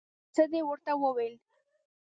څه دې ورته وویل؟